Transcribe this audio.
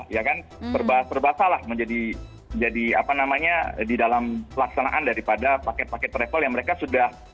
ya kan perbasalah menjadi apa namanya di dalam pelaksanaan daripada paket paket travel yang mereka sudah